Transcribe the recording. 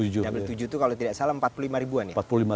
enam puluh tujuh itu kalau tidak salah empat puluh lima ribuan ya